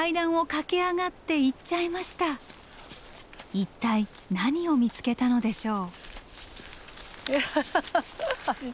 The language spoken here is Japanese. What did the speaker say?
一体何を見つけたのでしょう？